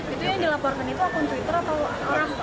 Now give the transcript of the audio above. itu yang dilaporkan itu akun twitter atau orang